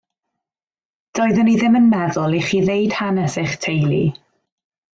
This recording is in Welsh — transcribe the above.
Doeddwn i ddim yn meddwl i chi ddeud hanes eich teulu.